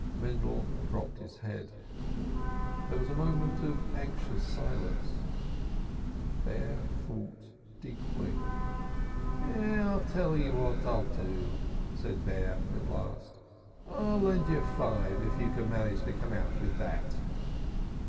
Mendel dropped his head. There was a moment of anxious silence. Bear thought deeply. "I tell you what I'll do," said Bear at last. "I'll lend you five if you can manage to come out with that."